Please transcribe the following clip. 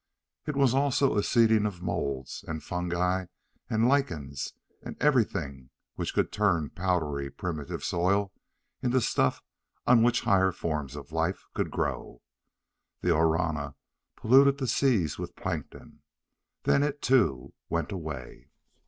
It was also a seeding of moulds and fungi and lichens, and everything which could turn powdery primitive soil into stuff on which higher forms of life could grow. The Orana polluted the seas with plankton. Then it, too, went away.